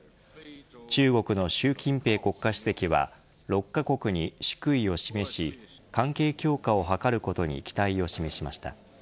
中国の習近平国家主席は６カ国に祝意を示し関係強化を図ることに期待を示しました。